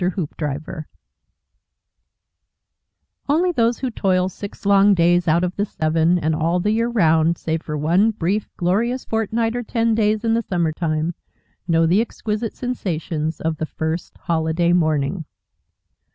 HOOPDRIVER Only those who toil six long days out of the seven, and all the year round, save for one brief glorious fortnight or ten days in the summer time, know the exquisite sensations of the First Holiday Morning.